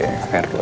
yuk let's go